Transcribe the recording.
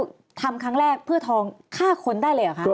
คือทำครั้งแรกเพื่อทองฆ่าคนได้เลยเหรอคะ